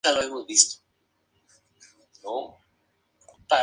El estado se convirtió en el mayor productor nacional de madera.